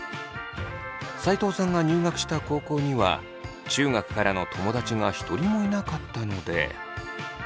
齋藤さんが入学した高校には中学からの友だちが一人もいなかったので。